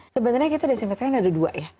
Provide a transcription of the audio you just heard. sebenarnya kita desinfektan ada dua ya